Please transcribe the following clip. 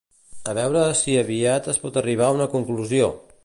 A veure si aviat es pot arribar a una conclusió!